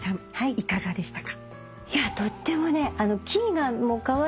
いかがでしたか？